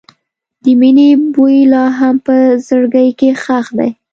د مینې بوی لا هم په زړګي کې ښخ دی.